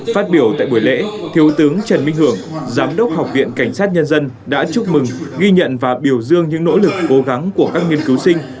phát biểu tại buổi lễ thiếu tướng trần minh hưởng giám đốc học viện cảnh sát nhân dân đã chúc mừng ghi nhận và biểu dương những nỗ lực cố gắng của các nghiên cứu sinh